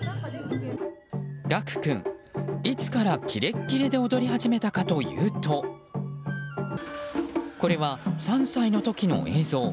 岳玖君、いつからキレッキレで踊り始めたかというとこれは３歳の時の映像。